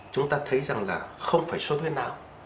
chúng ta thấy rằng là không phải xuất huyết não